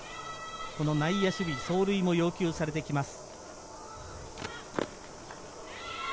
内野守備、走塁も要求されてきます。